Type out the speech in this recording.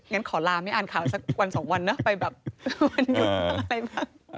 อย่างนั้นขอรามให้อ่านข่าวสักวันสองวันนะไปแบบวันนี้ต้องทำอะไรบ้าง